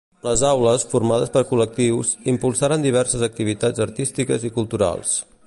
Les aules, formades per col·lectius, impulsaren diverses activitats artístiques i culturals.